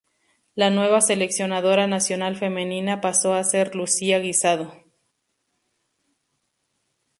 La nueva seleccionadora nacional femenina pasó a ser Lucía Guisado.